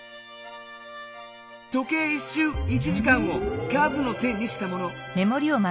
時計１しゅう１時間を数の線にしたもの。